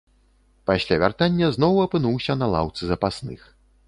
Пасля вяртання зноў апынуўся на лаўцы запасных.